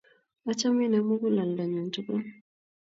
achamin eng' muguleldo nyun tugul